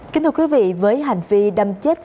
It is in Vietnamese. kính thưa quý vị với hành vi đâm chết